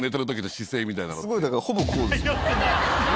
すごいだからほぼこうです。